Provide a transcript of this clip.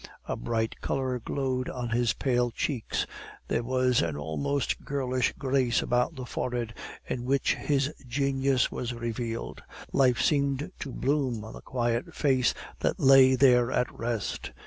A bright color glowed on his pale cheeks. There was an almost girlish grace about the forehead in which his genius was revealed. Life seemed to bloom on the quiet face that lay there at rest.